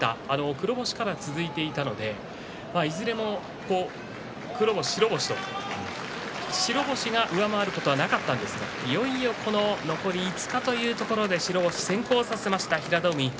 黒星が続いていたのでいずれも黒星白星と白星を上回ることがありませんがいよいよ残り５日というところで白星を先行させました、平戸海。